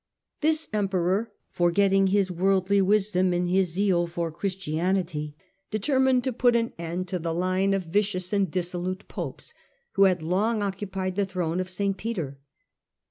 This Emperor, forgetting his worldly wisdom in his zeal for Christianity, deter mined to put an end to the line of vicious and dissolute Popes who had long occupied the throne of St. Peter.